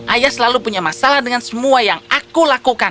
ayah selalu punya masalah dengan semua yang aku lakukan